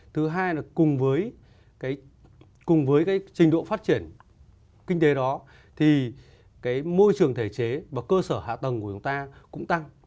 thứ hai là cùng với cùng với cái trình độ phát triển kinh tế đó thì cái môi trường thể chế và cơ sở hạ tầng của chúng ta cũng tăng